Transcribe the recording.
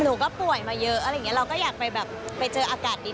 หนูก็ป่วยมาเยอะเราก็หยากไปเจออากาศดี